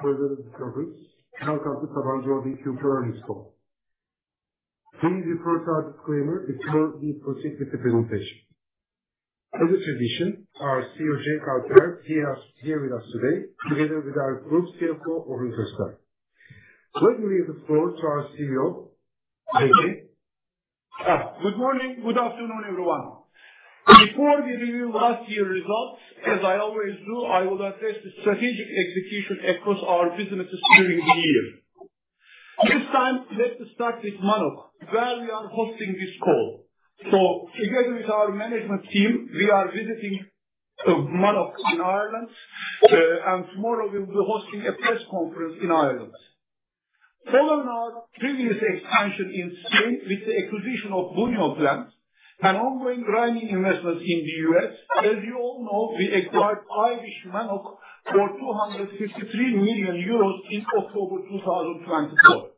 President of the Company, and welcome to Sabancı's World Investor Conference. Please refer to our disclaimer before we proceed with the presentation. As a tradition, our CEO, Cenk Alper, is here with us today, together with our Group CFO, Orhun Köstem. Let me leave the floor to our CEO, Cenk. Good morning, good afternoon, everyone. Before we reveal last year's results, as I always do, I will address the strategic execution across our businesses during the year. This time, let's start with Mannok, where we are hosting this call. So, together with our management team, we are visiting Mannok in Ireland, and tomorrow we will be hosting a press conference in Ireland. Following our previous expansion in Spain with the acquisition of Buñol Plant and ongoing grinding investments in the U.S., as you all know, we acquired Irish Mannok for 253 million euros in October 2024.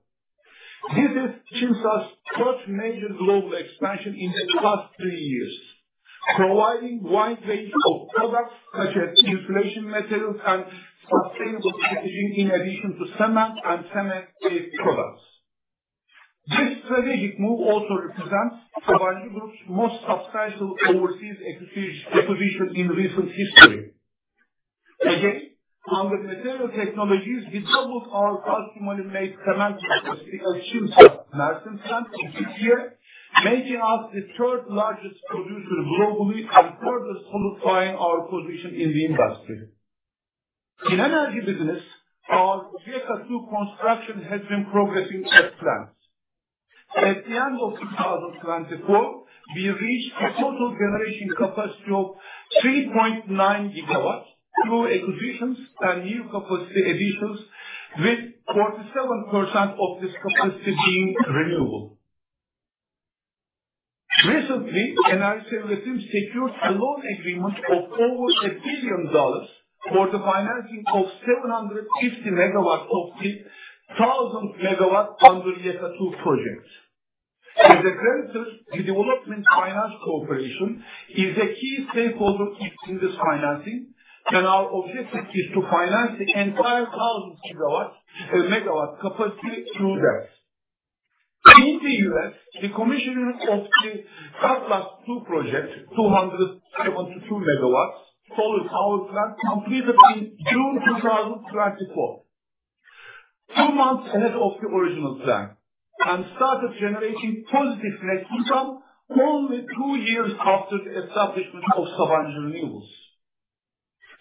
This is Çimsa's first major global expansion in the past three years, providing a wide range of products such as insulation materials and sustainable packaging, in addition to cement and cement-based products. This strategic move also represents Sabancı Holding's most substantial overseas acquisition in recent history. Again, on the Material Technologies, we doubled our custom-made cement markets because Çimsa's merchant plant is here, making us the third-largest producer globally and further solidifying our position in the industry. In the energy business, our YEKA-2 construction has been progressing at plans. At the end of 2024, we reached a total generation capacity of 3.9 gigawatts through acquisitions and new capacity additions, with 47% of this capacity being renewable. Recently, Enerjisa Üretim secured a loan agreement of over $1 billion for the financing of 750 megawatts of 1,000 megawatts under the YEKA-2 project. As a creditor, the Development Finance Corporation is a key stakeholder in this financing, and our objective is to finance the entire 1,000 megawatts capacity through that. In the U.S., the commissioning of the Cutlass Solar II project, 272 megawatts, followed our plan, completed in June 2024, two months ahead of the original plan, and started generating positive net income only two years after the establishment of Sabancı Renewables.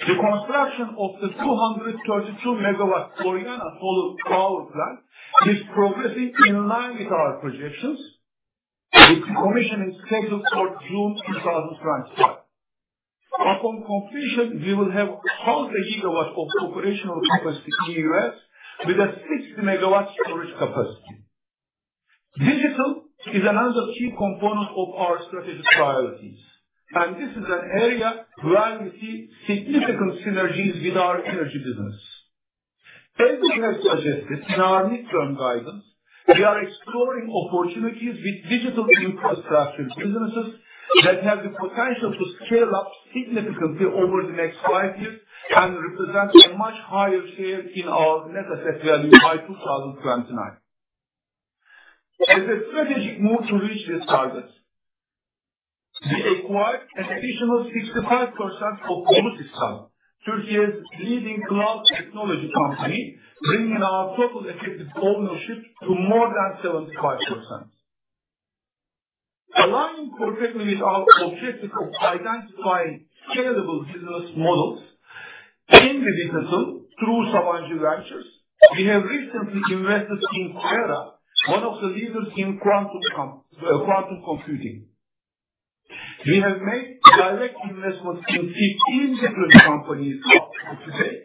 The construction of the 232-megawatt Oriana Solar power plant is progressing in line with our projections, with the commissioning scheduled for June 2025. Upon completion, we will have 0.5 gigawatts of operational capacity in the U.S., with a 60-megawatt storage capacity. Digital is another key component of our strategic priorities, and this is an area where we see significant synergies with our energy business. As we have suggested in our midterm guidance, we are exploring opportunities with digital infrastructure businesses that have the potential to scale up significantly over the next five years and represent a much higher share in our net asset value by 2029. As a strategic move to reach these targets, we acquired an additional 65% of Bulutistan, Türkiye's leading cloud technology company, bringing our total effective ownership to more than 75%. Aligning perfectly with our objective of identifying scalable business models in the business through Sabancı Ventures, we have recently invested in QuEra, one of the leaders in quantum computing. We have made direct investments in 15 different companies up to date,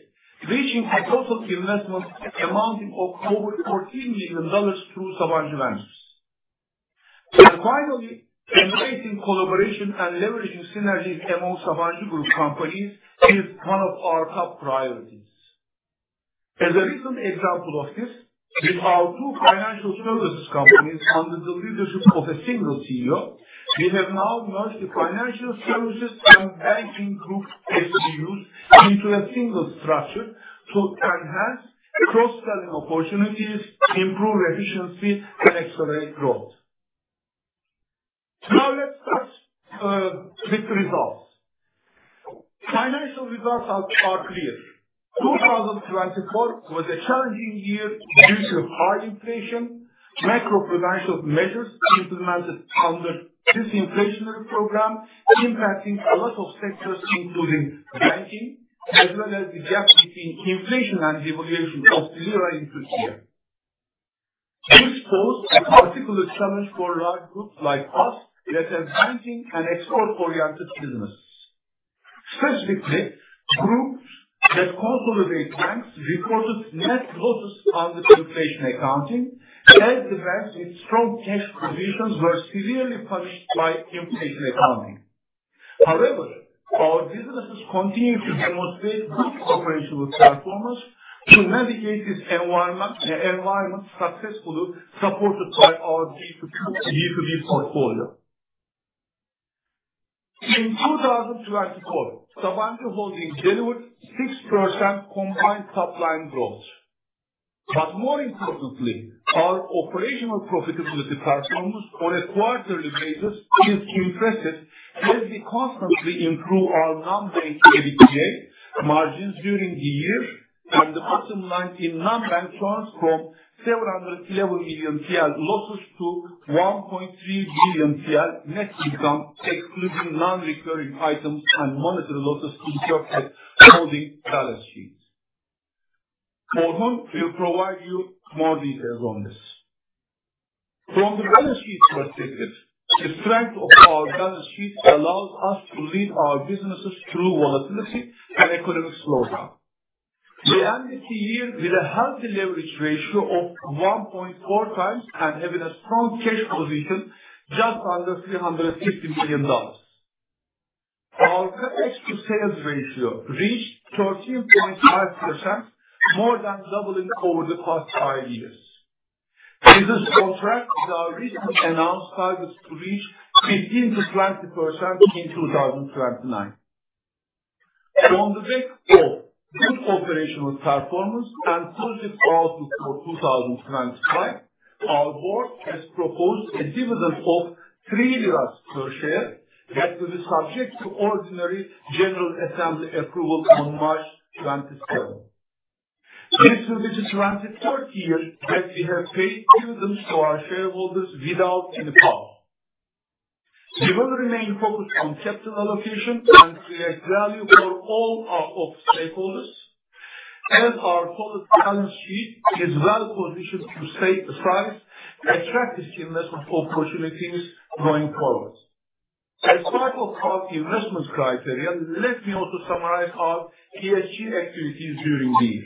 reaching a total investment amounting to over $14 million through Sabancı Ventures. And finally, embracing collaboration and leveraging synergies among Sabancı Group companies is one of our top priorities. As a recent example of this, with our two financial services companies under the leadership of a single CEO, we have now merged the Financial Services and Banking group SBUs into a single structure to enhance cross-selling opportunities, improve efficiency, and accelerate growth. Now, let's start with the results. Financial results are clear. 2024 was a challenging year due to high inflation, macroprudential measures implemented under this disinflationary program, impacting a lot of sectors, including banking, as well as the gap between inflation and devaluation of the lira in Türkiye. This posed a particular challenge for large groups like us that have banking and export-oriented businesses. Specifically, groups that consolidate banks reported net losses under inflation accounting, as the banks with strong cash positions were severely punished by inflation accounting. However, our businesses continue to demonstrate good operational performance to navigate this environment, successfully supported by our B2B portfolio. In 2024, Sabancı Holding delivered 6% combined top-line growth. But more importantly, our operational profitability performance on a quarterly basis is impressive as we constantly improve our non-bank EBITDA margins during the year, and the bottom line in non-bank turns from 711 million TL losses to 1.3 billion TL net income, excluding non-recurring items and monetary losses incurred in holding balance sheets. Orhun will provide you more details on this. From the balance sheet perspective, the strength of our balance sheet allows us to lead our businesses through volatility and economic slowdown. We ended the year with a healthy leverage ratio of 1.4 times and having a strong cash position just under $350 million. Our Capex to sales ratio reached 13.5%, more than doubling over the past five years. Business contracts are recently announced targets to reach 15%-20% in 2029. On the back of good operational performance and positive outlook for 2025, our board has proposed a dividend of 3 lira per share that will be subject to ordinary general assembly approval on March 27. This will be the 23rd year that we have paid dividends to our shareholders without any cost. We will remain focused on capital allocation and create value for all of our stakeholders, as our solid balance sheet is well-positioned to stay beside attractive investment opportunities going forward. As part of our investment criteria, let me also summarize our ESG activities during the year.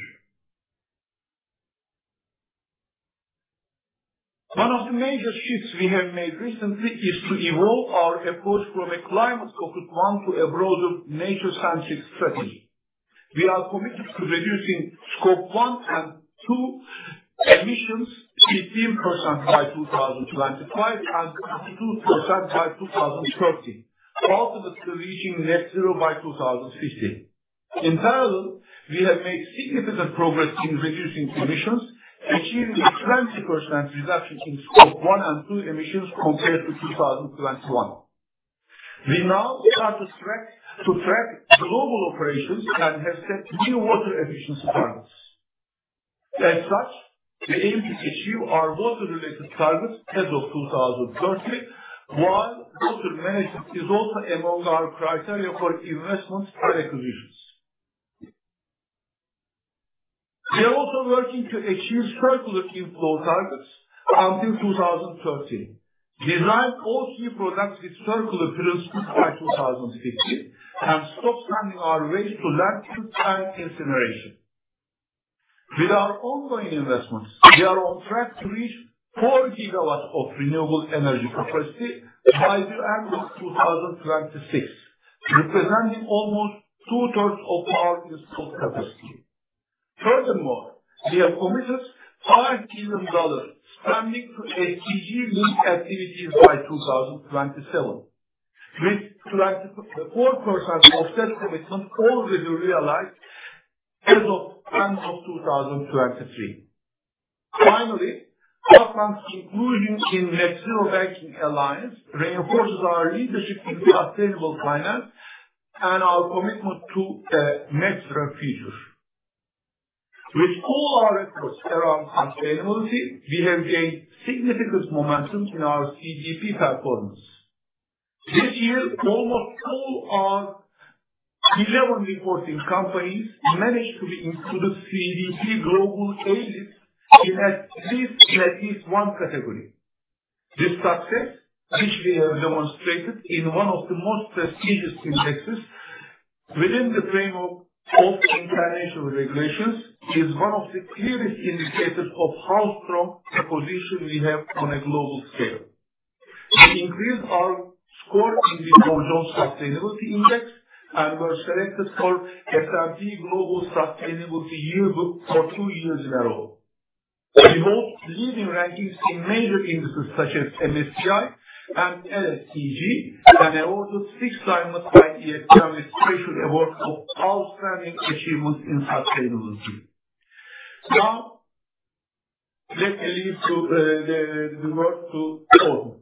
One of the major shifts we have made recently is to evolve our approach from a climate-focused one to a broader nature-centric strategy. We are committed to reducing Scope 1 and 2 emissions 15% by 2025 and 22% by 2030, ultimately reaching net zero by 2050. In parallel, we have made significant progress in reducing emissions, achieving a 20% reduction in Scope 1 and 2 emissions compared to 2021. We now start to track global operations and have set new water efficiency targets. As such, we aim to achieve our water-related targets as of 2030, while water management is also among our criteria for investments and acquisitions. We are also working to achieve circular inflow targets until 2030, design all key products with circular principles by 2050, and stop sending our waste to landfills and incineration. With our ongoing investments, we are on track to reach four gigawatts of renewable energy capacity by the end of 2026, representing almost two-thirds of our installed capacity. Furthermore, we have committed $5 billion spending to SDG-linked activities by 2027, with 4% of that commitment already realized as of the end of 2023. Finally, last month's inclusion in Net-Zero Banking Alliance reinforces our leadership in sustainable finance and our commitment to a net-zero future. With all our efforts around sustainability, we have gained significant momentum in our CDP performance. This year, almost all our 11 reporting companies managed to be included in CDP Global A List in at least one category. This success, which we have demonstrated in one of the most prestigious indexes within the framework of international regulations, is one of the clearest indicators of how strong a position we have on a global scale. We increased our score in the Dow Jones Sustainability Index, and we were selected for S&P Global Sustainability Yearbook for two years in a row. We hold leading rankings in major indices such as MSCI and LSEG, and awarded six times by EFQM a special award of outstanding achievements in sustainability. Now, let me leave the word to Orhun.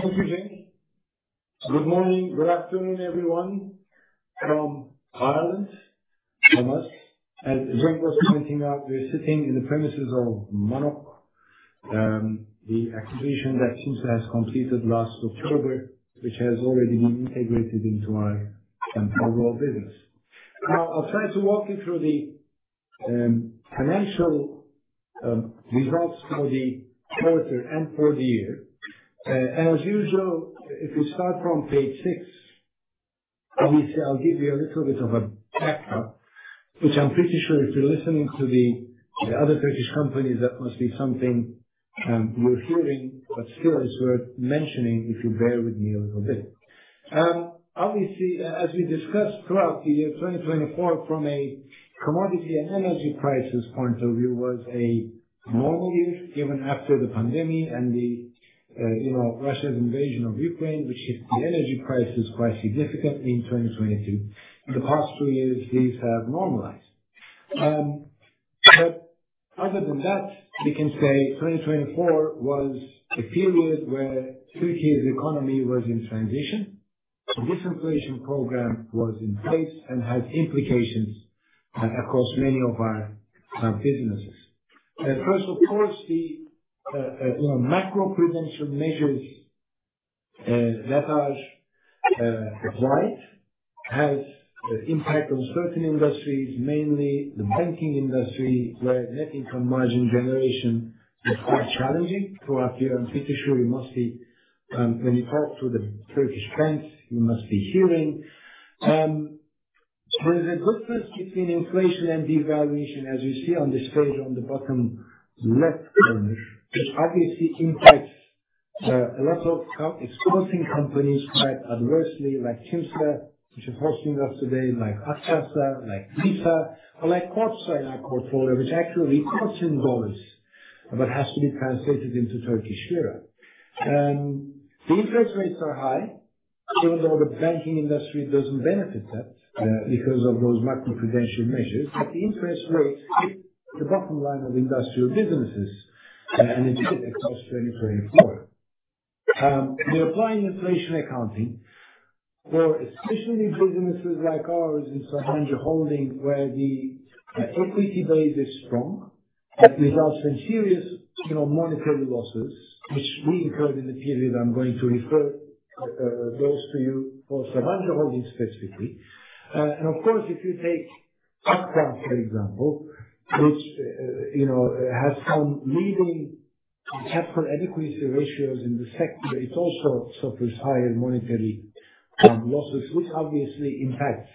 Thank you, Cenk. Good morning, good afternoon, everyone, from Ireland, from us. As Cenk was pointing out, we're sitting in the premises of Mannok, the acquisition that Çimsa has completed last October, which has already been integrated into our overall business. Now, I'll try to walk you through the financial results for the quarter and for the year. As usual, if we start from page six, obviously, I'll give you a little bit of a backdrop, which I'm pretty sure if you're listening to the other Turkish companies, that must be something you're hearing, but still, it's worth mentioning if you bear with me a little bit. Obviously, as we discussed throughout the year, 2024, from a commodity and energy prices point of view, was a normal year, even after the pandemic and Russia's invasion of Ukraine, which hit the energy prices quite significantly in 2022. In the past two years, these have normalized. But other than that, we can say 2024 was a period where Türkiye's economy was in transition. The disinflation program was in place and had implications across many of our businesses. And first, of course, the macroprudential measures that are applied have impacted on certain industries, mainly the banking industry, where net income margin generation is quite challenging throughout the year. I'm pretty sure you must be, when you talk to the Turkish banks, you must be hearing. There is a difference between inflation and devaluation, as you see on this page on the bottom left corner, which obviously impacts a lot of exporting companies quite adversely, like Çimsa, which is hosting us today, like Akbank, like Brisa, or like Kordsa in our portfolio, which actually reports in dollars, but has to be translated into Turkish lira. The interest rates are high, even though the banking industry doesn't benefit that because of those macroprudential measures, but the interest rates hit the bottom line of industrial businesses, and it did across 2024. We're applying inflation accounting for especially businesses like ours in Sabancı Holding, where the equity base is strong, but resulting in serious monetary losses, which we incurred in the period. I'm going to refer those to you for Sabancı Holding specifically. Of course, if you take Akbank, for example, which has some leading Capital Adequacy Ratios in the sector, it also suffers higher monetary losses, which obviously impacts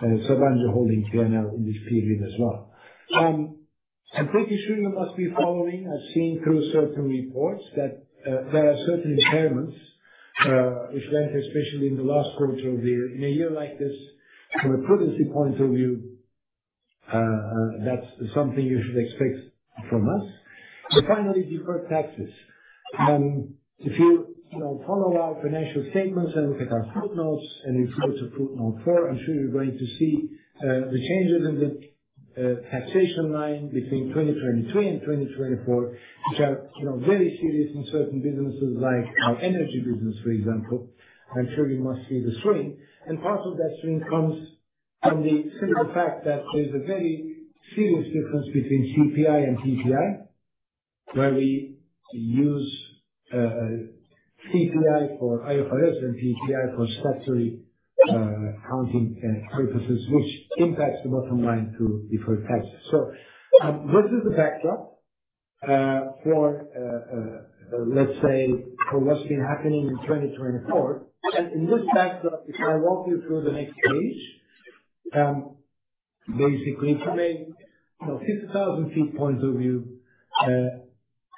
Sabancı Holding P&L in this period as well. I'm pretty sure you must be following. I've seen through certain reports that there are certain impairments which went especially in the last quarter of the year. In a year like this, from a prudence point of view, that's something you should expect from us. And finally, deferred taxes. If you follow our financial statements and look at our footnotes and refer to footnote 4, I'm sure you're going to see the changes in the taxation line between 2023 and 2024, which are very serious in certain businesses, like our energy business, for example. I'm sure you must see the swing. And part of that swing comes from the simple fact that there's a very serious difference between CPI and PPI, where we use CPI for IFRS and PPI for statutory accounting purposes, which impacts the bottom line to deferred taxes. So this is the backdrop for, let's say, for what's been happening in 2024. And in this backdrop, if I walk you through the next page, basically, from a 50,000 feet point of view,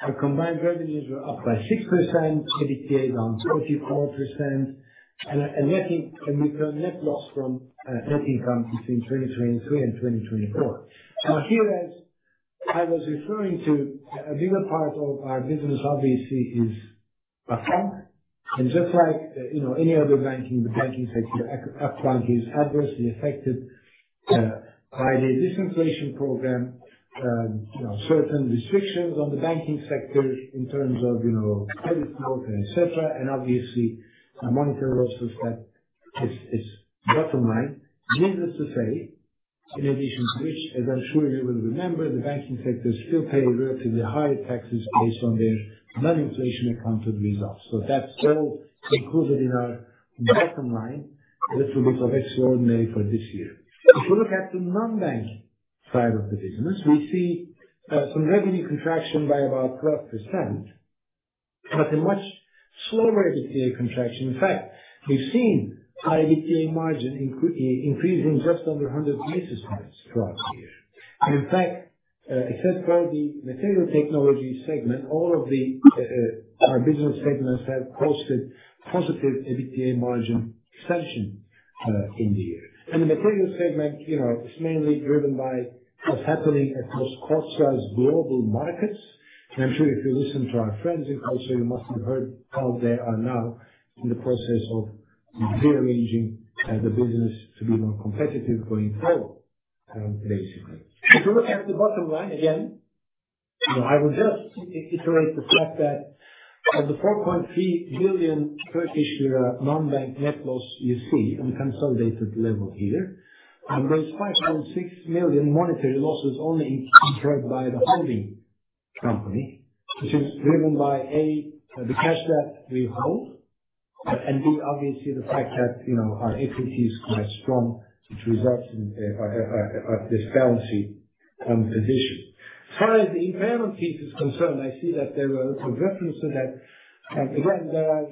our combined revenues were up by 6%, EBITDA down 44%, and net income net loss from net income between 2023 and 2024. Now, here, as I was referring to, a bigger part of our business, obviously, is Akbank. And just like any other banking, the banking sector, Akbank, is adversely affected by the disinflation program, certain restrictions on the banking sector in terms of credit flow, etc., and obviously, monetary losses, that is, bottom line. Needless to say, in addition to which, as I'm sure you will remember, the banking sector still pays relatively high taxes based on their non-inflation accounted results. So that's all included in our bottom line, a little bit of extraordinary for this year. If you look at the non-bank side of the business, we see some revenue contraction by about 12%, but a much slower EBITDA contraction. In fact, we've seen our EBITDA margin increasing just under 100 basis points throughout the year. And in fact, except for the Material Technology segment, all of our business segments have posted positive EBITDA margin extension in the year. And the Material segment is mainly driven by what's happening across Kordsa's global markets. I'm sure if you listen to our friends in Kordsa, you must have heard how they are now in the process of rearranging the business to be more competitive going forward, basically. If you look at the bottom line again, I will just iterate the fact that of the 4.3 billion non-bank net loss you see on the consolidated level here, there's 5.6 million monetary losses only incurred by the holding company, which is driven by, A, the cash that we hold, and B, obviously, the fact that our equity is quite strong, which results in this balance sheet position. As far as the impairment piece is concerned, I see that there were references that, again, there are,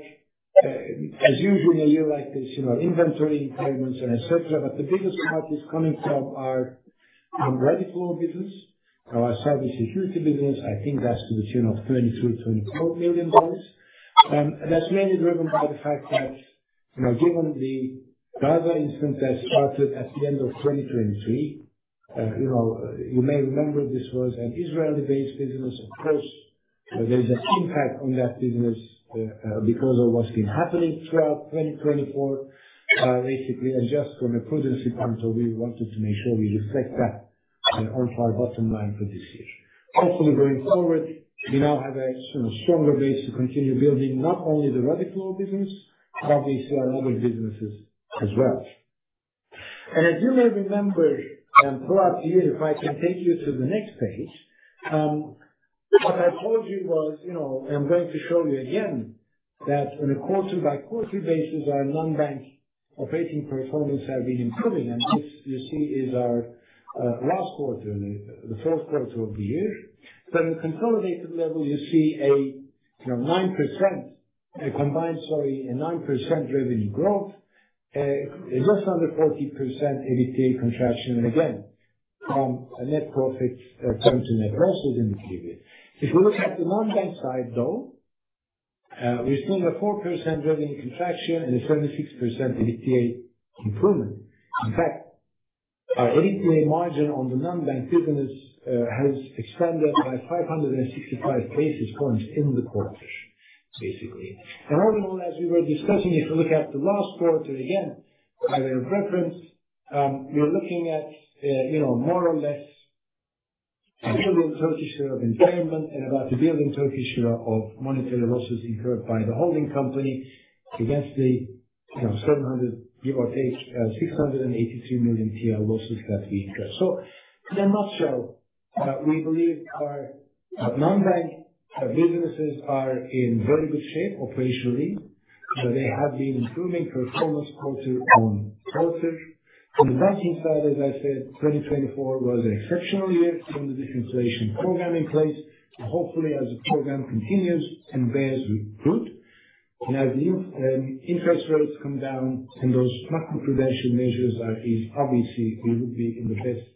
as usual, in a year like this, inventory impairments, etc., but the biggest part is coming from our Radiflow business, our cybersecurity business. I think that's to the tune of $32.4 million. That's mainly driven by the fact that, given the Gaza incident that started at the end of 2023, you may remember this was an Israeli-based business. Of course, there's an impact on that business because of what's been happening throughout 2024, basically, and just from a prudence point of view, we wanted to make sure we reflect that onto our bottom line for this year. Hopefully, going forward, we now have a stronger base to continue building not only the Radiflow business, but obviously, our other businesses as well, and as you may remember, throughout the year, if I can take you to the next page, what I told you was I'm going to show you again that on a quarter-by-quarter basis, our non-bank operating performance has been improving. And this, you see, is our last quarter, the fourth quarter of the year. But on the consolidated level, you see a 9% combined, sorry, a 9% revenue growth, just under 40% EBITDA contraction, and again, net profits turned to net losses in the period. If we look at the non-bank side, though, we're seeing a 4% revenue contraction and a 76% EBITDA improvement. In fact, our EBITDA margin on the non-bank business has expanded by 565 basis points in the quarter, basically. And all in all, as we were discussing, if you look at the last quarter again, by way of reference, we're looking at more or less 2 billion of impairment and about 1 billion of monetary losses incurred by the holding company against the 700, give or take, 683 million TL losses that we incurred. In a nutshell, we believe our non-bank businesses are in very good shape operationally. They have been improving performance quarter on quarter. On the banking side, as I said, 2024 was an exceptional year given the disinflation program in place. Hopefully, as the program continues and bears fruit, and as the interest rates come down and those macroprudential measures are, obviously, we would be in the best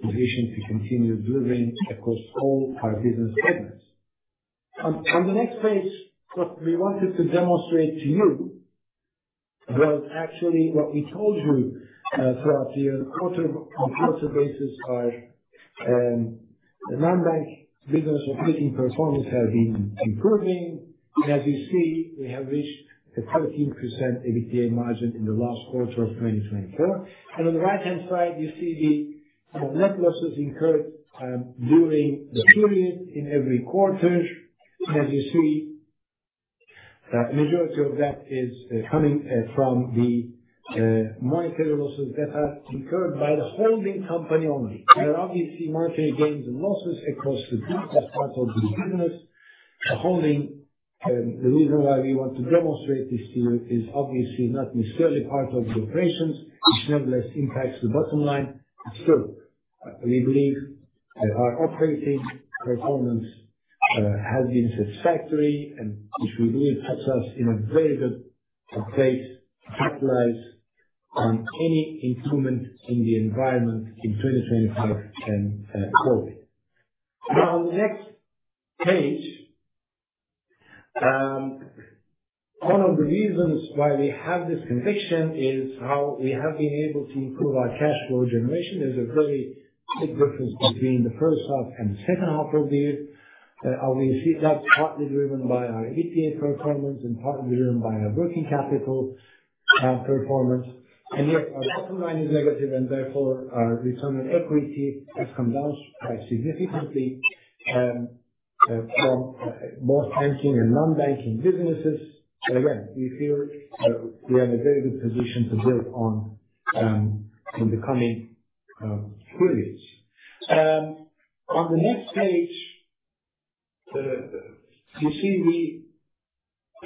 position to continue delivering across all our business segments. On the next page, what we wanted to demonstrate to you was actually what we told you throughout the year. On a quarter-by-quarter basis, our non-bank business operating performance has been improving. And as you see, we have reached a 13% EBITDA margin in the last quarter of 2024. And on the right-hand side, you see the net losses incurred during the period in every quarter. As you see, the majority of that is coming from the monetary losses that are incurred by the holding company only. There are obviously monetary gains and losses across the group as part of the business. The holding, the reason why we want to demonstrate this to you, is obviously not necessarily part of the operations, which nevertheless impacts the bottom line. Still, we believe our operating performance has been satisfactory, and which we believe puts us in a very good place to capitalize on any improvement in the environment in 2025 and forward. Now, on the next page, one of the reasons why we have this conviction is how we have been able to improve our cash flow generation. There's a very big difference between the first half and the second half of the year. Obviously, that's partly driven by our EBITDA performance and partly driven by our working capital performance. And yet, our bottom line is negative, and therefore, our return on equity has come down quite significantly from both banking and non-banking businesses. But again, we feel we have a very good position to build on in the coming periods. On the next page, you see we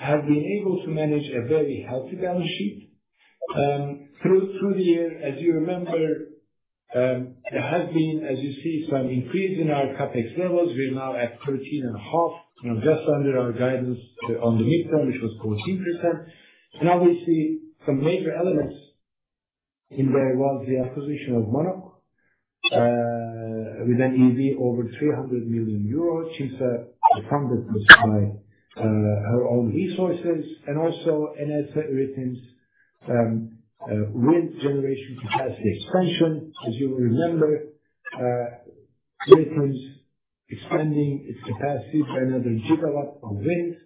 have been able to manage a very healthy balance sheet through the year. As you remember, there has been, as you see, some increase in our CapEx levels. We're now at 13.5%, just under our guidance on the midterm, which was 14%. And obviously, some major elements in there was the acquisition of Mannok with an EV over EUR 300 million. Çimsa, she funded this by her own resources. Enerjisa Üretim's wind generation capacity expansion, as you will remember, Enerjisa Üretim expanding its capacity by another gigawatt of wind,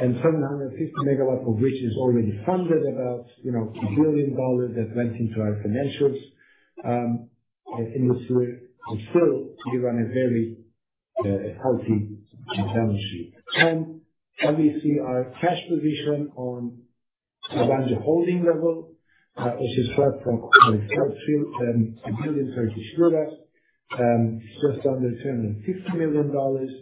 and 750 megawatts of which is already funded, about $1 billion that went into our financials in this year. But still, we run a very healthy balance sheet. Obviously, our cash position on Sabancı Holding level, which is swapped for TRY 1 billion, is just under $250 million.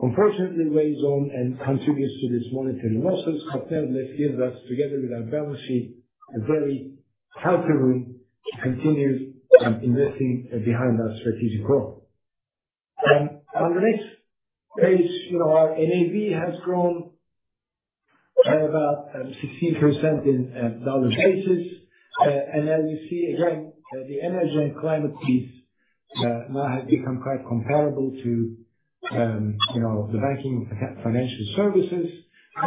Unfortunately, weighs on and contributes to these monetary losses, but nevertheless, gives us, together with our balance sheet, a very healthy room to continue investing behind our strategic goal. On the next page, our NAV has grown by about 16% in dollar basis. As you see, again, the energy and climate piece now has become quite comparable to the Banking Financial Services.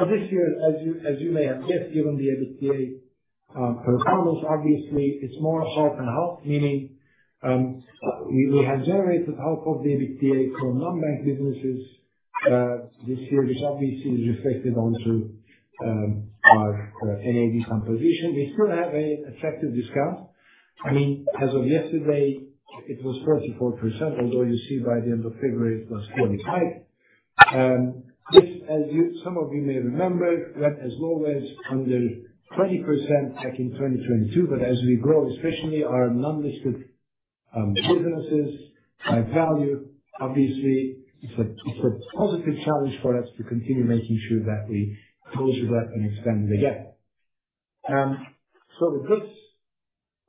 This year, as you may have guessed, given the EBITDA performance, obviously, it's more half and half, meaning we have generated half of the EBITDA for non-bank businesses this year, which obviously is reflected onto our NAV composition. We still have an attractive discount. I mean, as of yesterday, it was 34%, although you see by the end of February, it was 45%. This, as some of you may remember, went as low as under 20% back in 2022. But as we grow, especially our non-listed businesses by value, obviously, it's a positive challenge for us to continue making sure that we close with that and expand again. So with this,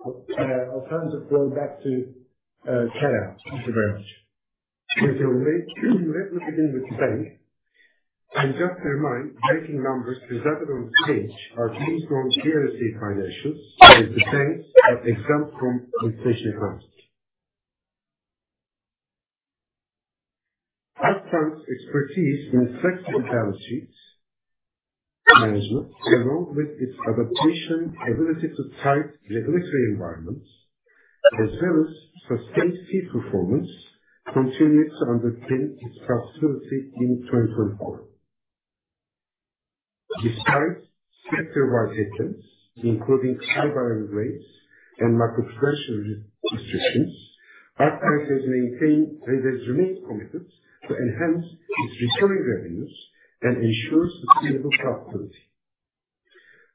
I'll turn the floor back to Kerem. Thank you very much. We'll begin with the bank. And just to remind, the banking numbers presented on the page are based on BRSA financials, with the banks exempt from inflationary costs. Akbank's expertise in flexible balance sheets management, along with its adaptation ability to tight regulatory environments, as well as sustained fee performance, continued to underpin its profitability in 2024. Despite sector-wide headlines, including high borrowing rates and macroprudential restrictions, Akbank has remained committed to enhance its recurring revenues and ensure sustainable profitability.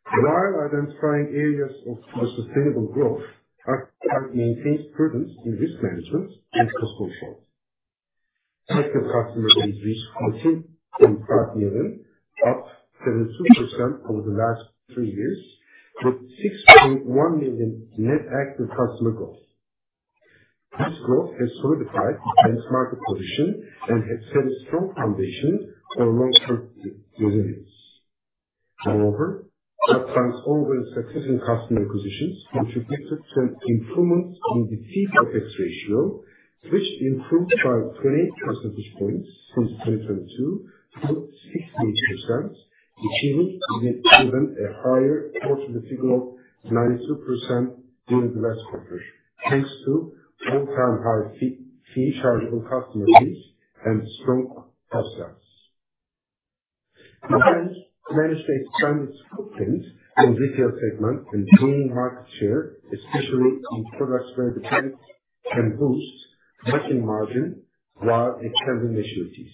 While identifying areas of sustainable growth, Akbank maintains prudence in risk management and cost control. Active customer base reached 14.5 million, up 72% over the last three years, with 6.1 million net active customer growth. This growth has solidified its benchmark position and has set a strong foundation for long-term resilience. Moreover, Akbank's ongoing success in customer acquisitions contributed to an improvement in the fee profits ratio, which improved by 28 percentage points since 2022 to 68%, achieving even a higher quarterly figure of 92% during the last quarter, thanks to all-time high fee chargeable customer fees and strong cost stance. The bank managed to expand its footprint in the retail segment and gain market share, especially in products where the bank can boost matching margin while extending maturities.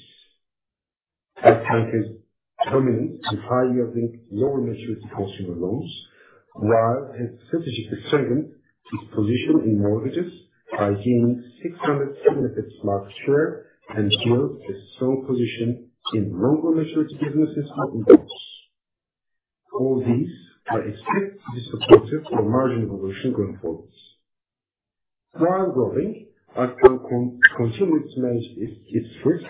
Akbank is dominant in high-yielding, lower-maturity consumer loans, while its strategic strength is positioned in mortgages, achieving market share and built a strong position in longer-maturity businesses for incomes. All these are expected to be supportive for margin evolution going forward. While growing, Akbank continues to manage its risk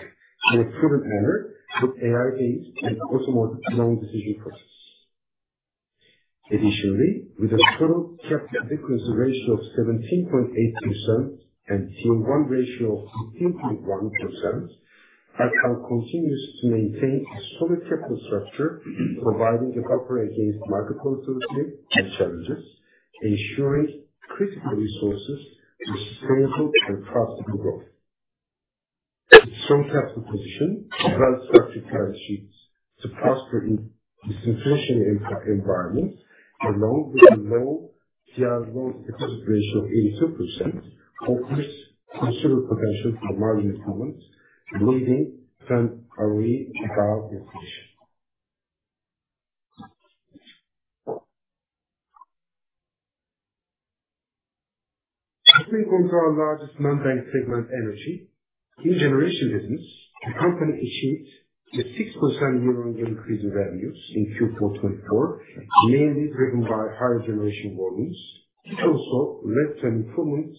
in a prudent manner with AI-based and automated loan decision processes. Additionally, with a total Capital Adequacy Ratio of 17.8% and Tier 1 ratio of 15.1%, Akbank continues to maintain a solid capital structure, providing a buffer against market volatility and challenges, ensuring critical resources for sustainable and profitable growth. Its strong capital position, as well as structured balance sheets, supports the disinflationary environment, along with a low TL loan exposure ratio of 82%, which considers potential for margin improvement, leading to an ROE without inflation. Looking into our largest non-bank segment, energy, in generation business, the company achieved a 6% year-on-year increase in revenues in Q4 2024, mainly driven by higher generation volumes. It also led to an improvement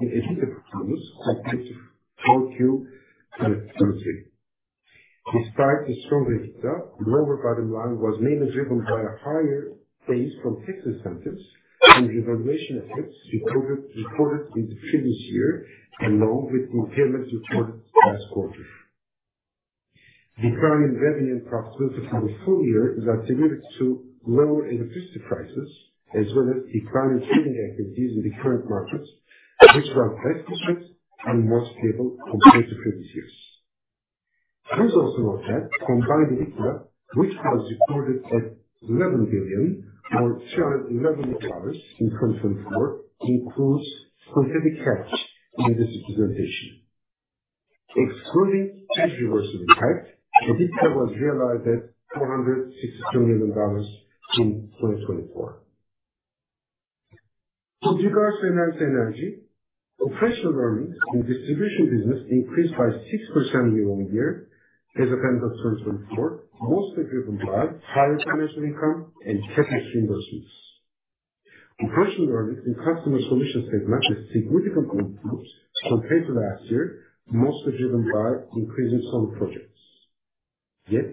in EBITDA performance compared to Q4 2023. Despite the strong EBITDA, the lower bottom line was mainly driven by a higher base from tax incentives and revaluation efforts reported in the previous year, along with the impairments reported last quarter. The decline in revenue and profitability for the full year is attributed to lower electricity prices, as well as declining trading activities in the current markets, which were less efficient and more stable compared to previous years. Please also note that combined EBITDA, which was recorded at $11 billion or $311 million in 2024, includes synthetic hedge in this representation. Excluding change reversal impact, EBITDA was realized at $462 million in 2024. With regards to Enerjisa, operational earnings in distribution business increased by 6% year-on-year as of end of 2024, mostly driven by higher financial income and Capex reimbursements. Operational earnings in customer solution segment had significant improvement compared to last year, mostly driven by increasing solar projects. Yet,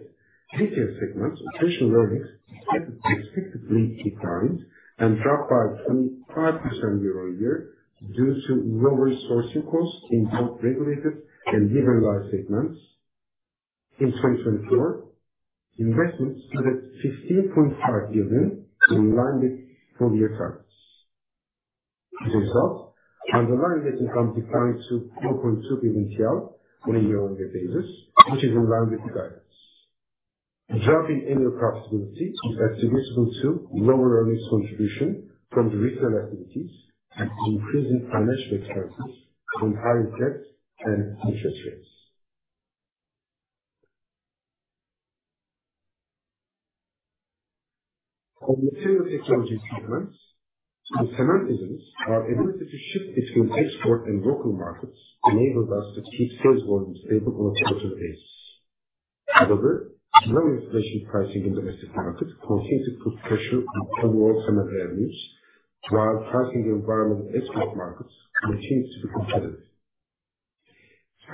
retail segment operational earnings expected to expectedly decline and drop by 25% year-on-year due to lower sourcing costs in both regulated and liberalized segments. In 2024, investments stood at TRY 15.5 billion, in line with full-year targets. As a result, underlying net income declined to TRY 4.2 billion on a year-on-year basis, which is in line with the guidance. Drop in annual profitability is attributable to lower earnings contribution from the retail activities and increasing financial expenses from higher debt and interest rates. On the Material Technology segments, the Çimsa, our ability to shift between export and local markets, enabled us to keep sales volume stable on a quarterly basis. However, low inflation pricing in domestic markets continued to put pressure on overall Çimsa revenues, while pricing environment in export markets continues to be competitive.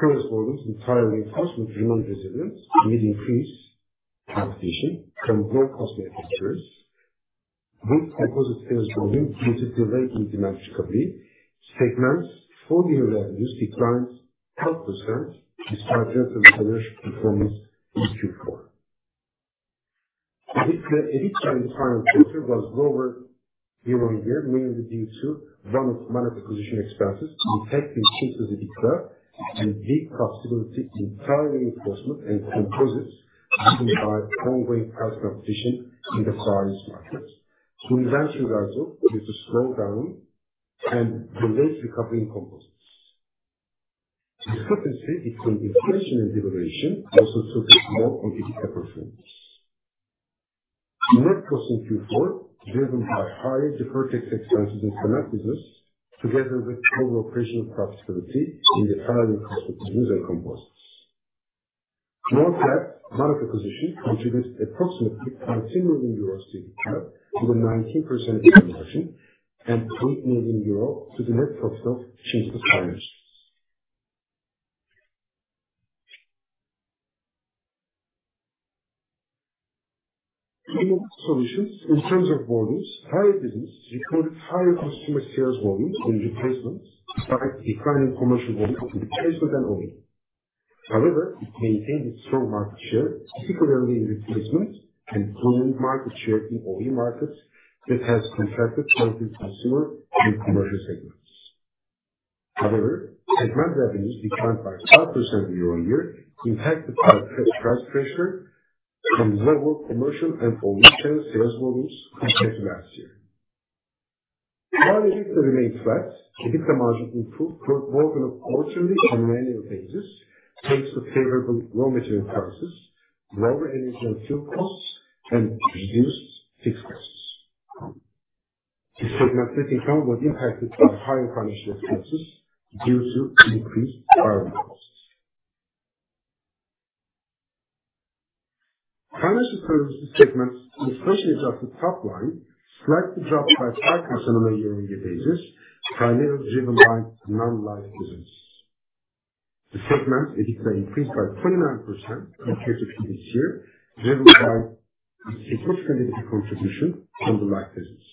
Sales volumes and tire reinforcement remain resilient amid increasing competition from low-cost manufacturers. With composite sales volume due to delay in demand recovery, segments' full-year revenues declined 12% despite strong financial performance in Q4. The EBITDA in the final quarter was lower year-on-year, mainly due to one-off monetary position expenses impacting Çimsa's EBITDA and lower profitability in tire reinforcement and composites, driven by ongoing price competition in the Far East markets. The intervention by rivals due to slowdown and delayed recovery in composites. Discrepancy between inflation and devaluation also took a toll on EBITDA performance. The net loss in Q4 was driven by higher deferred tax expenses in cement business, together with lower overall operational profitability in the tire reinforcement business and composites. One-off monetary position contributed approximately EUR 13 million to EBITDA, with a 19% revaluation and 3 million euros to the net profit of Çimsa's financials. In terms of volumes, tire business recorded higher consumer sales volume in replacement despite declining commercial volume in replacement and OE. However, it maintained its strong market share, particularly in replacement and premium market share in OE markets that has contracted both in consumer and commercial segments. However, segment revenues declined by 5% year-on-year, impacted by price pressure from lower commercial and OE channel sales volumes compared to last year. While EBITDA remained flat, EBITDA margin improved more than on an annual basis, thanks to favorable raw material prices, lower energy and fuel costs, and reduced fixed costs. The segment net income was impacted by higher financial expenses due to increased tire reinforcement. Financial Services segment inflation adjusted top line slightly dropped by 5% on a year-on-year basis, primarily driven by non-life businesses. The segment EBITDA increased by 29% compared to previous year, driven by a significant EBITDA contribution from the life business.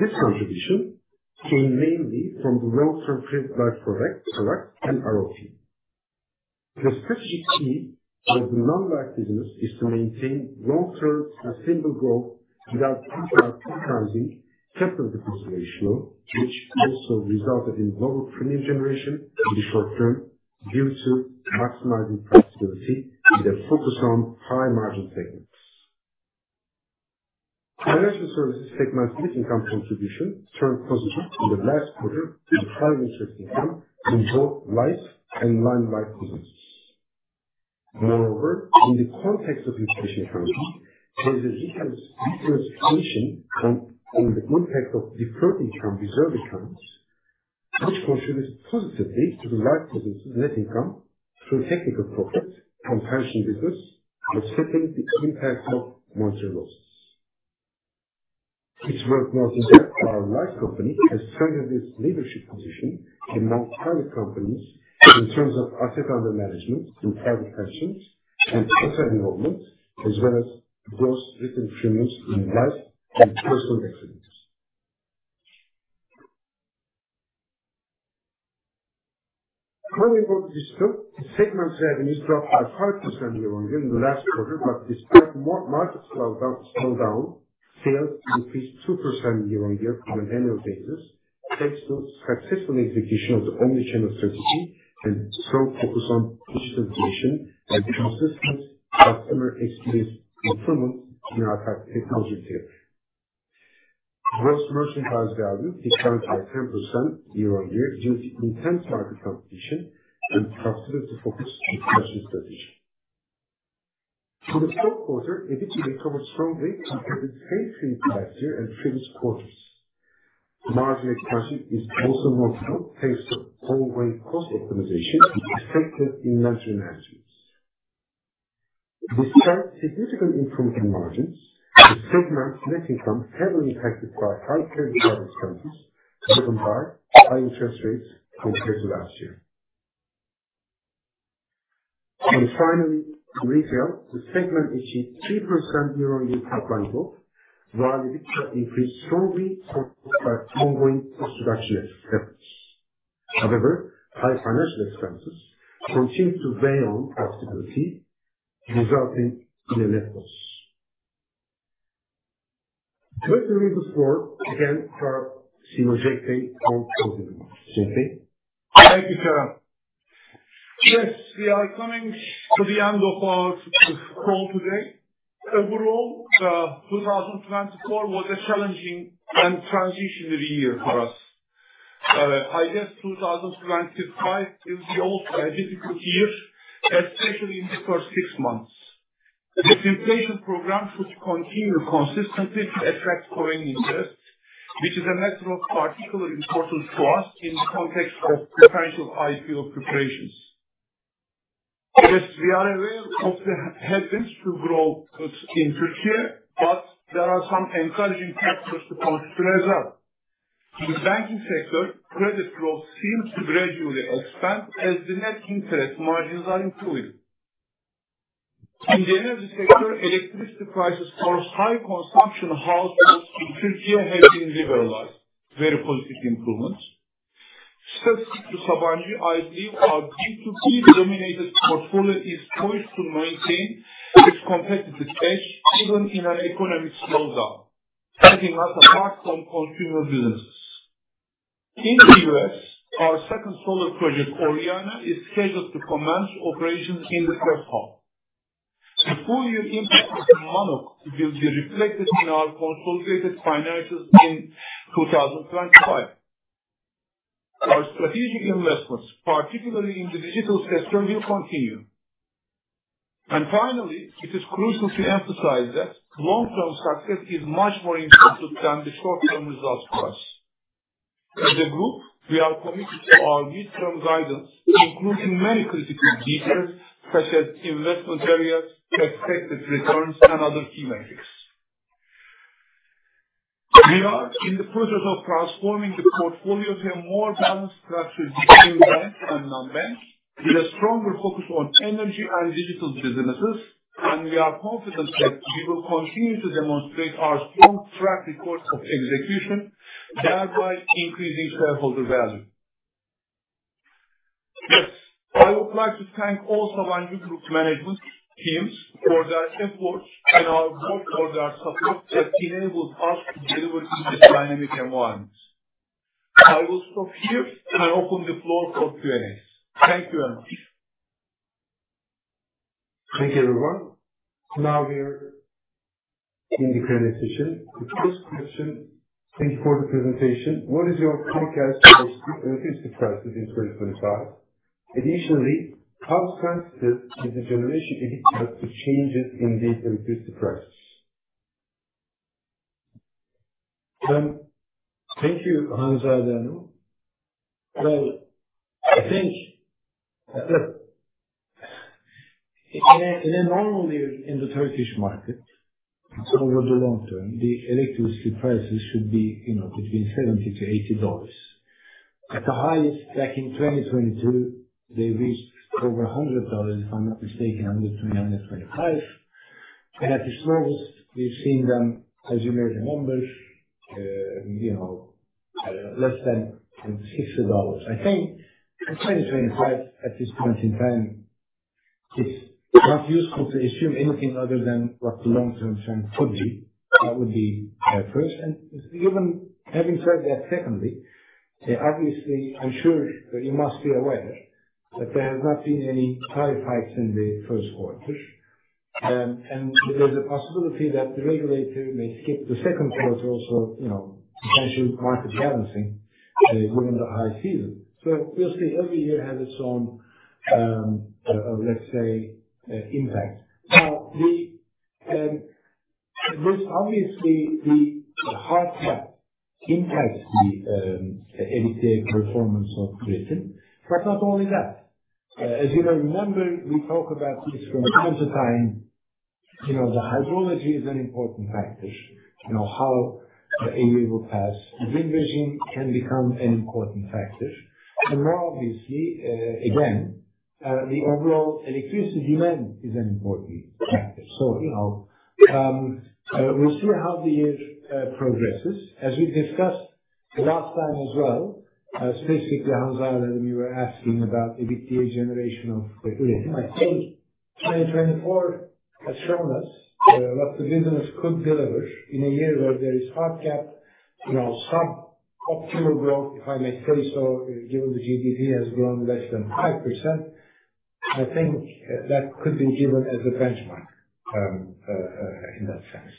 This contribution came mainly from the long-term P&C product and ROP. The strategic key for the non-life business is to maintain long-term sustainable growth without compromising Capital Adequacy Ratio, which also resulted in lower premium generation in the short term due to maximizing profitability with a focus on high margin segments. Financial Services segment net income contribution turned positive in the last quarter with higher interest income in both life and non-life businesses. Moreover, in the context of inflationary economy, there is a differentiation in the impact of deferred income reserve accounts, which contributed positively to the life business's net income through technical profit comparison business, reflecting the impact of monetary losses. It's worth noting that our life company has strengthened its leadership position among private companies in terms of asset under management in private pensions and life insurance, as well as gross retail premiums in life and personal accident revenues. Moving on to Teknosa, segment revenues dropped by 5% year-on-year in the last quarter, but despite market slowdown, sales increased 2% year-on-year on an annual basis, thanks to successful execution of the omnichannel strategy and strong focus on digitalization and consistent customer experience improvement in our technology retailer. Gross merchandise value declined by 10% year-on-year due to intense market competition and profitability focus in the product strategy. For the fourth quarter, EBITDA recovered strongly compared with same period last year and previous quarters. Margin expansion is also notable thanks to ongoing cost optimization and effective inventory management. Despite significant improvement in margins, the segment's net income heavily impacted by high credit card expenses, driven by high interest rates compared to last year. Finally, in retail, the segment achieved 3% year-on-year top line growth, while EBITDA increased strongly supported by ongoing introduction of expenses. However, high financial expenses continued to weigh on profitability, resulting in a net loss. Thank you, Orhun Köstem, again, for seeing Cenk Alper on closing. Cenk Alper. Thank you, Kerem. Yes, we are coming to the end of our call today. Overall, 2024 was a challenging and transitionary year for us. I guess 2025 will be also a difficult year, especially in the first six months. The inflation program should continue consistently to attract foreign interest, which is a matter of particular importance to us in the context of preferential IPO preparations. Yes, we are aware of the headwinds to growth in Türkiye, but there are some encouraging factors to consider as well. In the banking sector, credit growth seems to gradually expand as the net interest margins are improving. In the energy sector, electricity prices for high-consumption households in Türkiye have been liberalized. Very positive improvements. Specific to Sabancı, I believe our B2B-dominated portfolio is poised to maintain its competitive edge even in an economic slowdown, setting us apart from consumer businesses. In the U.S., our second solar project, Oriana, is scheduled to commence operations in the first half. The full-year impact of Mannok will be reflected in our consolidated financials in 2025. Our strategic investments, particularly in the digital sector, will continue. And finally, it is crucial to emphasize that long-term success is much more important than the short-term results for us. As a group, we are committed to our midterm guidance, including many critical details such as investment areas, expected returns, and other key metrics. We are in the process of transforming the portfolio to a more balanced structure between bank and non-bank, with a stronger focus on energy and digital businesses, and we are confident that we will continue to demonstrate our strong track record of execution, thereby increasing shareholder value. Yes, I would like to thank all Sabancı Group management teams for their efforts and our board for their support that enabled us to deliver in this dynamic environment. I will stop here and open the floor for Q&A. Thank you very much. Thank you, everyone. Now we are in the Q&A session. First question, thank you for the presentation. What is your forecast for electricity prices in 2025? Additionally, how sensitive is the generation EBITDA to changes in the electricity prices? Thank you, Hanzade Kılıçkıran. I think in a normal year in the Turkish market, over the long term, the electricity prices should be between $70-$80. At the highest, back in 2022, they reached over $100, if I'm not mistaken, $103, $125. And at the slowest, we've seen them, as you may remember, less than $60. I think in 2025, at this point in time, it's not useful to assume anything other than what the long-term trend could be. That would be first. And given having said that, secondly, obviously, I'm sure you must be aware that there have not been any tariff hikes in the first quarter. And there's a possibility that the regulator may skip the second quarter or so, potential market balancing given the high season. So we'll see. Every year has its own, let's say, impact. Now, there's obviously the hard cap impacting the EBITDA performance of Üretim. But not only that. As you may remember, we talk about this from time to time. The hydrology is an important factor. How a year will pass. Wind regime can become an important factor. And more obviously, again, the overall electricity demand is an important factor. So we'll see how the year progresses. As we discussed last time as well, specifically, Hanzade Kılıçkıran were asking about EBITDA generation of Üretim. I think 2024 has shown us what the business could deliver in a year where there is hard cap, suboptimal growth, if I may say so, given the GDP has grown less than 5%. I think that could be given as a benchmark in that sense.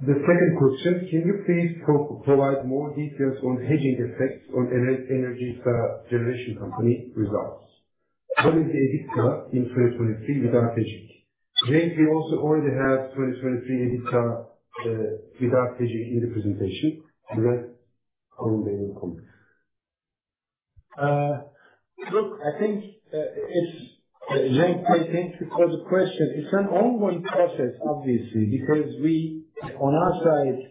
The second question, can you please provide more details on hedging effects on energy generation company results? What is the EBITDA in 2023 without hedging? JP also already has 2023 EBITDA without hedging in the presentation. Look, I think it's JP, thank you for the question. It's an ongoing process, obviously, because we, on our side,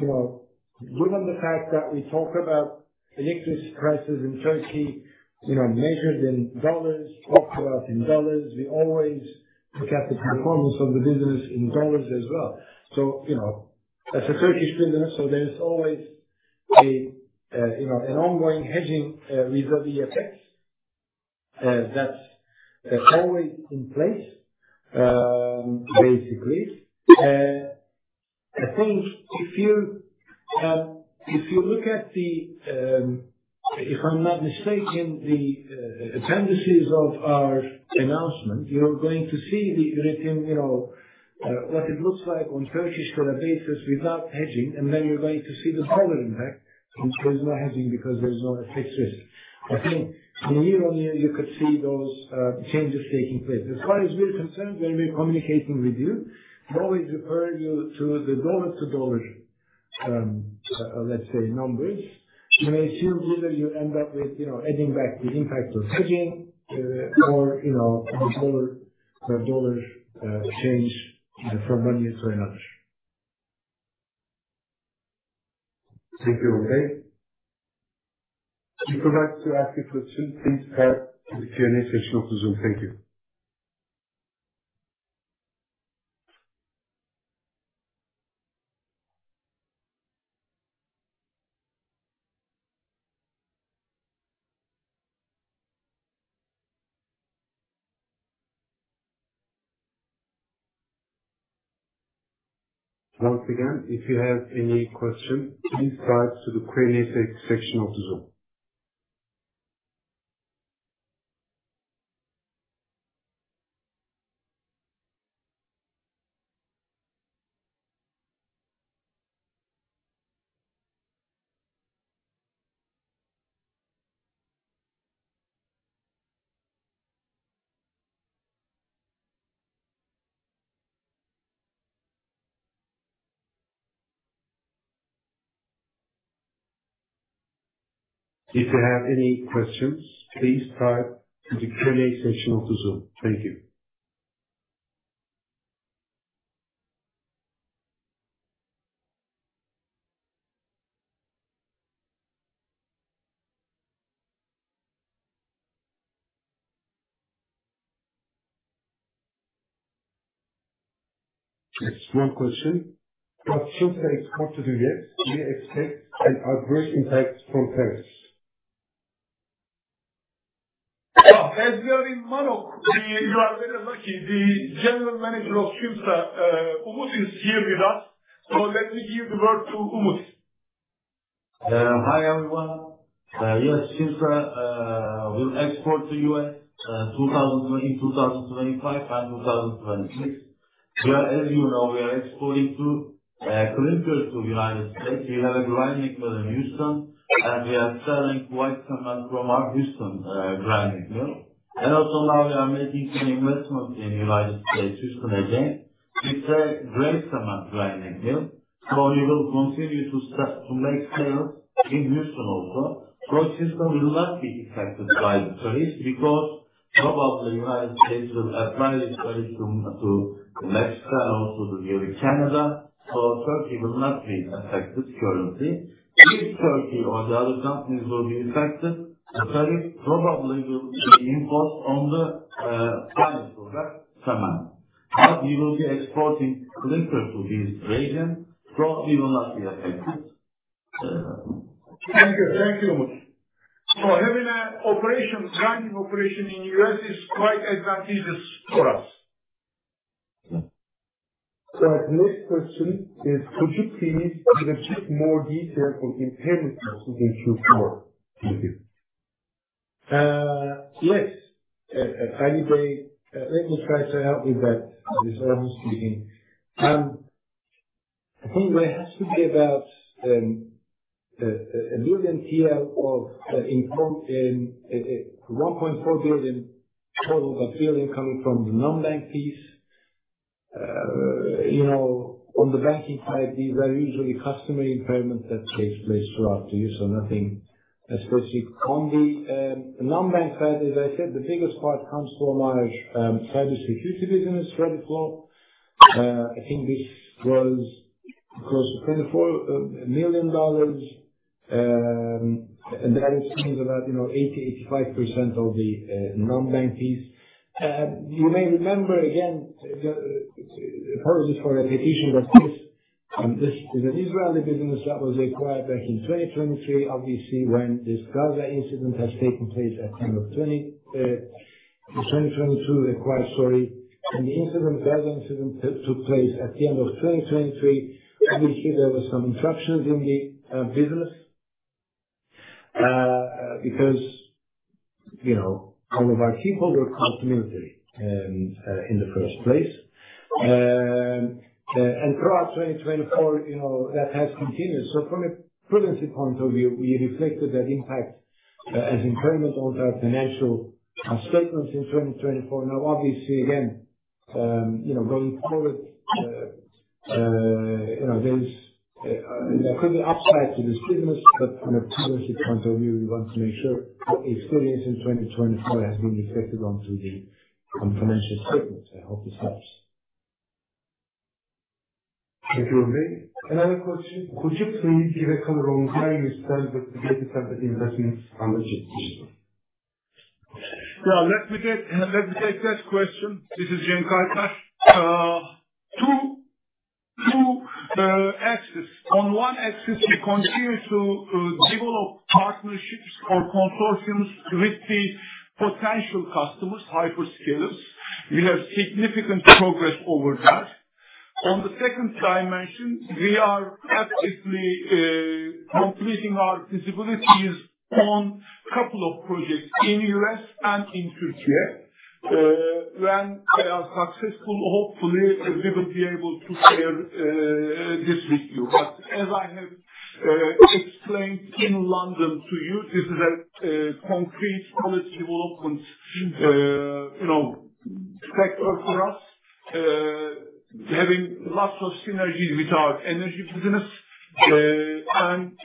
given the fact that we talk about electricity prices in Turkey, measured in dollars, talked about in dollars, we always look at the performance of the business in dollars as well. So as a Turkish business, there is always an ongoing hedging reserve effect that's always in place, basically. I think if you look at the, if I'm not mistaken, the appendices of our announcement, you're going to see the Üretim, what it looks like on Turkish basis without hedging, and then you're going to see the dollar impact. There's no hedging because there's no fixed risk. I think year on year, you could see those changes taking place. As far as we're concerned, when we're communicating with you, we always refer you to the dollar-to-dollar, let's say, numbers. You may assume either you end up with adding back the impact of hedging or the dollar-to-dollar change from one year to another. Thank you, Orhun Köstem. If you'd like to ask a question, please come to the Q&A session of the Zoom. Thank you. Once again, if you have any question, please type to the Q&A section of the Zoom. If you have any questions, please type to the Q&A section of the Zoom. Thank you. Yes, one question. What should they expect to do next? Do we expect an adverse impact from tariffs? As we are in Mannok, you are very lucky. The general manager of Çimsa, Umut, is here with us. So let me give the word to Umut. Hi, everyone. Yes, Çimsa will export to the U.S. in 2025 and 2026. As you know, we are exporting clinkers to the United States. We have a grinding mill in Houston, and we are selling white cement from our Houston grinding mill. And also now we are making some investments in the United States, Houston again. It's a gray cement grinding mill, so we will continue to make sales in Houston also. So Çimsa will not be affected by the tariffs because probably the United States will apply this tariff to Mexico and also to Canada. So Turkey will not be affected currently. If Turkey or the other companies will be affected, the tariff probably will be imposed on the finished product, cement. But we will be exporting clinkers to this region, so we will not be affected. Thank you. Thank you, Umut. Having a grinding operation in the U.S. is quite advantageous for us. The next question is, could you please give a bit more detail on impairments in Q4? Thank you. Yes. Ali Bey, let me try to help with that. Orhun speaking. I think there has to be about 1 billion TL of 1.4 billion total of billion coming from the non-bank piece. On the banking side, these are usually customer impairments that take place throughout the year, so nothing specific. On the non-bank side, as I said, the biggest part comes from our cybersecurity business, Radiflow. I think this was close to $24 million, and that explains about 80%-85% of the non-bank piece. You may remember, again, apologies for repetition, but this is an Israeli business that was acquired back in 2023, obviously, when this Gaza incident has taken place at the end of 2022, acquired, sorry. The Gaza incident took place at the end of 2023. Obviously, there were some interruptions in the business because all of our people were called to military in the first place. Throughout 2024, that has continued. From a prudence point of view, we reflected that impact as impairment on our financial statements in 2024. Now, obviously, again, going forward, there could be upside to this business, but from a prudence point of view, we want to make sure what we experienced in 2024 has been reflected onto the financial statements. I hope this helps. Thank you, Orhun Köstem. Another question. Could you please give a color on where you spent the data center investments under Cenk's vision? Yeah, let me take that question. This is Cenk Alper. Two axes. On one axis, we continue to develop partnerships or consortiums with the potential customers, hyperscalers. We have significant progress over that. On the second dimension, we are actively completing our feasibilities on a couple of projects in the U.S. and in Türkiye. When they are successful, hopefully, we will be able to share this with you. But as I have explained in London to you, this is a concrete quality development sector for us, having lots of synergy with our energy business, and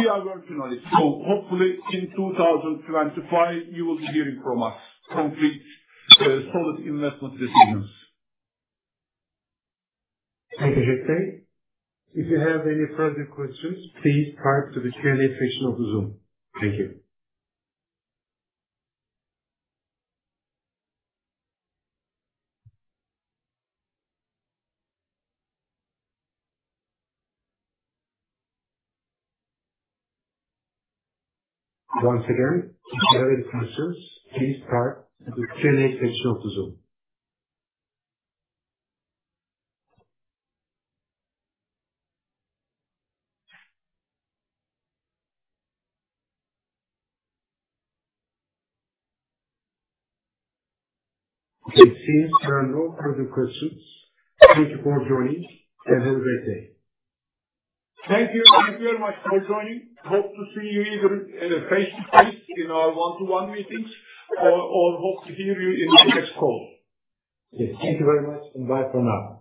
we are working on it. Hopefully, in 2025, you will be hearing from us, concrete, solid investment decisions. Thank you, JP. If you have any further questions, please type to the Q&A section of the Zoom. Thank you. Once again, if you have any questions, please type to the Q&A section of the Zoom. Okay, since there are no further questions, thank you for joining, and have a great day. Thank you. Thank you very much for joining. Hope to see you either face to face in our one-to-one meetings or hope to hear you in the next call. Yes, thank you very much, and bye for now.